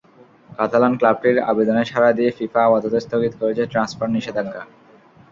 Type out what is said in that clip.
Catalan ক্লাবটির আবেদনে সাড়া দিয়ে ফিফা আপাতত স্থগিত করেছে ট্রান্সফার নিষেধাজ্ঞা।